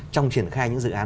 trong triển khai những dự án